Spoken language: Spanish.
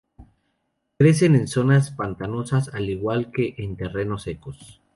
Crecen en zonas pantanosas al igual que en terrenos secos.